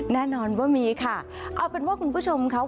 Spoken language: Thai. แน่นอนว่ามีค่ะเอาเป็นว่าคุณผู้ชมค่ะ